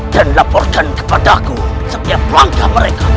dan laporkan kepada aku setiap langkah mereka